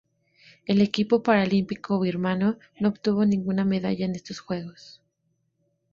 El equipo paralímpico birmano no obtuvo ninguna medalla en estos Juegos.